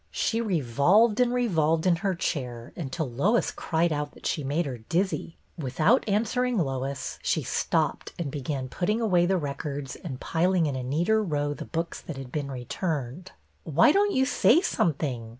She revolved and re volved in her chair until Lois cried out that she made her dizzy. Without answering Lois, she stopped and be gan putting away the records and piling in a neater row the books that had been returned. ''Why don't you say something?"